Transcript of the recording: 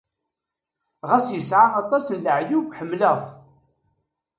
Ɣas yesɛa aṭas n leɛyub, ḥemmleɣ-t.